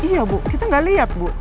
iya bu kita gak liat bu